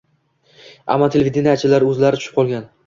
Ammo televideniyechilar o‘zlari tushib qolgan